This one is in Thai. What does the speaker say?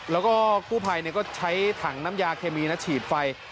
แล้วก็กู้ภัยก็ใช้ถังน้ำยาเคมีนะฉีดไฟ